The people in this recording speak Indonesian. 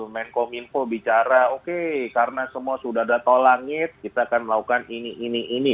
menko minfo bicara oke karena semua sudah ada tol langit kita akan melakukan ini ini ini